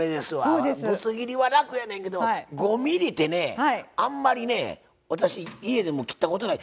ぶつ切りは楽やねんけど５ｍｍってねあんまりね私家でも切ったことない。